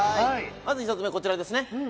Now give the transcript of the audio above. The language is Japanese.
まず１つ目こちらですね。